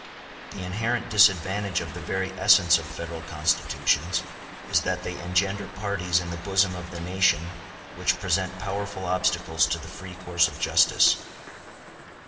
The inherent disadvantage of the very essence of Federal constitutions is that they engender parties in the bosom of the nation which present powerful obstacles to the free course of justice.